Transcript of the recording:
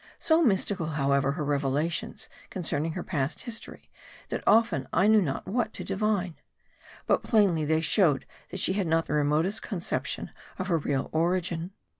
So mystical, however, her revelations concerning her past history, that often I knew not what to divine. But plainly they showed that she had not the remotest conception of her real origin.